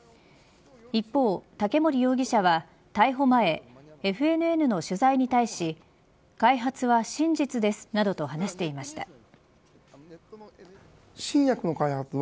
一方、竹森容疑者は逮捕前ＦＮＮの取材に対し開発は真実ですなどと話していました。